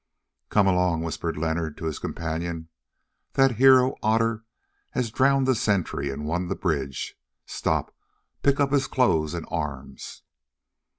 "Come along," whispered Leonard to his companion; "that hero Otter has drowned the sentry and won the bridge. Stop, pick up his clothes and arms."